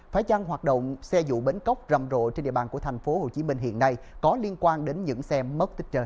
phải chăng hoạt động xe dụ bến cóc rầm rộ trên địa bàn của tp hcm hiện nay có liên quan đến những xe mất tích trời